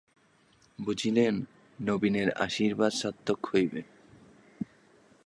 বুঝিলেন, নবীনের আশীর্বাদ সার্থক হইবে।